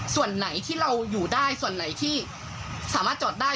ส่วนไหนที่เราอยู่ได้ส่วนไหนที่สามารถจอดได้